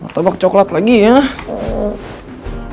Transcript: martabak coklat lagi ya